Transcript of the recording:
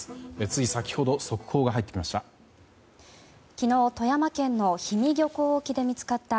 つい先ほど速報が入ってきました。